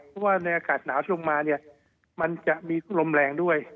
เพราะว่าในอากาศหนาวช่วงมาเนี่ยมันจะมีลมแรงด้วย